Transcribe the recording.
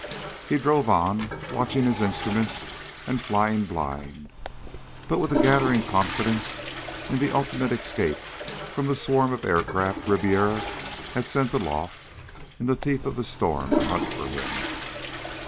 He drove on, watching his instruments and flying blind, but with a gathering confidence in an ultimate escape from the swarm of aircraft Ribiera had sent aloft in the teeth of the storm to hunt for him.